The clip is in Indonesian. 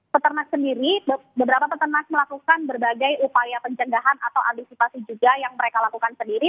peternak sendiri beberapa peternak melakukan berbagai upaya pencegahan atau antisipasi juga yang mereka lakukan sendiri